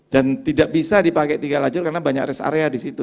dan tidak bisa dipakai tiga lajur karena banyak rest area di situ